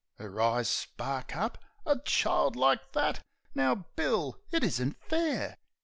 'Er eyes spark up. "A child like that! Now, Bill, it isn't fair!